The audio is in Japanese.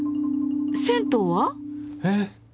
銭湯は？え？